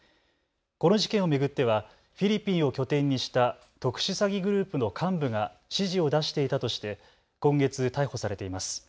この事件を巡ってはフィリピンを拠点にした特殊詐欺グループの幹部が指示を出していたとして今月、逮捕されています。